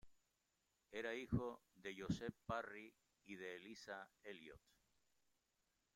Era hijo de Joseph Parry y de Eliza Elliott.